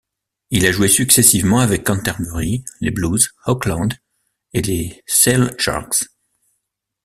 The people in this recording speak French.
Il a joué successivement avec Canterbury, les Blues, Auckland et les Sale Sharks.